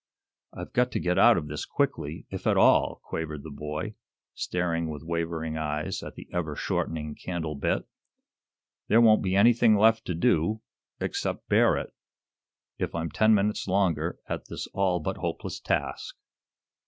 "I've got to get out of this quickly, if at all!" quavered the boy, staring with wavering eyes at the ever shortening candle bit. "There won't be anything left to do except bear it if I'm ten minutes longer at this all but hopeless task."